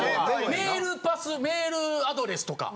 ・メールパスメールアドレスとか。